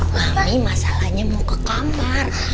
rame masalahnya mau ke kamar